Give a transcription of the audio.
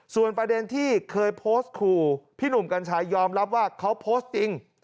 ส่วนประเด็นที่เคยโพสต์ขู่พี่หนุ่มกัญชัยยอมรับว่าเขาโพสต์จริง